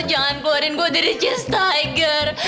jangan keluarin gue dari just tiger